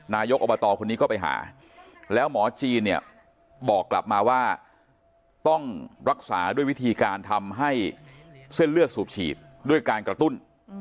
นายกอบตคนนี้ก็ไปหาแล้วหมอจีนเนี่ยบอกกลับมาว่าต้องรักษาด้วยวิธีการทำให้เส้นเลือดสูบฉีดด้วยการกระตุ้น